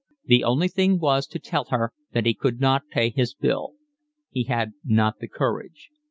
The only thing was to tell her that he could not pay his bill. He had not the courage.